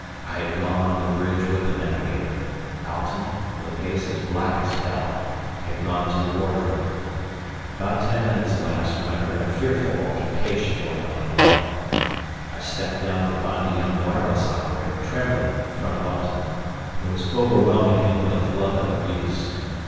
I had gone on the bridge with the navigator; Alten, with a face as black as hell, had gone to the wardroom. About ten minutes elapsed when I heard a fearful altercation going on below. I stepped down to find the young wireless operator trembling in front of Alten, who was overwhelming him with a flood of abuse.